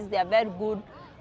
mereka sangat baik